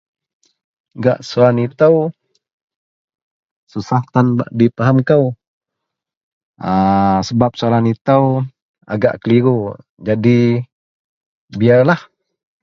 gak soalan itou, susah tan bak difaham kou a sebab soalan itou agak keliru jadi biarlah